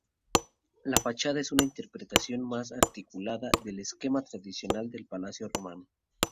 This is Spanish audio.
La fachada es una interpretación más articulada del esquema tradicional del palacio romano.